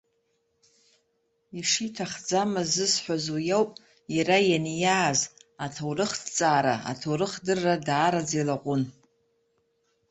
Ишиҭахӡамыз зысҳәаз уи ауп, иара ианиааз, аҭоурыхҭҵаара, аҭоурыхдырра даараӡа илаҟәын.